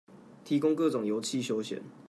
提供各種遊憩休閒